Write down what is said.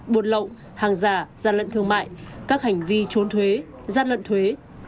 buồn lậu hàng giả gian lận thương mại các hành vi trốn thuế gian lận thuế